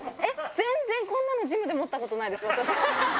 全然こんなのジムで持ったことないです、私。